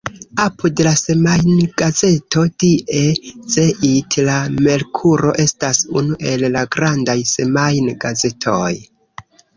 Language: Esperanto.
Apud la semajngazeto Die Zeit la Merkuro estas unu el la grandaj semajn-gazetoj.